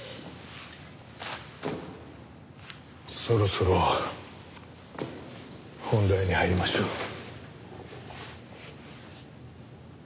そろそろ本題に入りましょう。